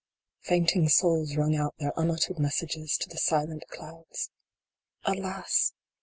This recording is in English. Fainting souls rung out their unuttered messages to the silent clouds. Alas